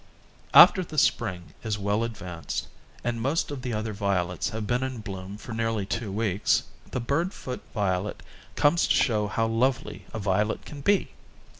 After the spring is well advanced, and most of the other violets have been in bloom for nearly two weeks, the bird foot violet comes to show how lovely a violet can be!